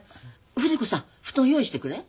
筆子さん布団用意してくれ。